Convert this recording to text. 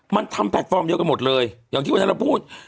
มันทำแพลตฟอร์มเดียวกันหมดเลยอย่างที่วันนั้นเราพูด